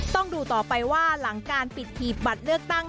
ต้องดูต่อไปว่าหลังการปิดหีบบัตรเลือกตั้ง